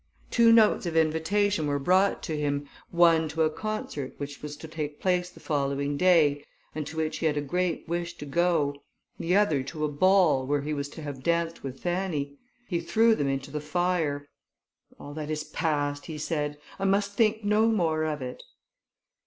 Two notes of invitation were brought to him, one to a concert, which was to take place the following day, and to which he had a great wish to go, the other to a ball, where he was to have danced with Fanny. He threw them into the fire. "All that is past;" he said, "I must think no more of it."